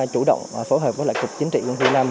chủ động phối hợp với lại cục chính trị công ty năm